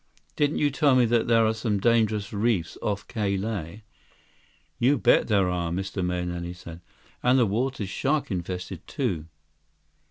96 "Didn't you tell me that there are some dangerous reefs off Ka Lae?" "You bet there are," Mr. Mahenili said. "And the water's shark infested, too."